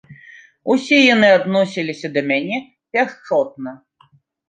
Усе яны адносіліся да мяне пяшчотна.